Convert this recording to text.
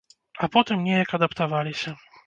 А потым неяк адаптаваліся.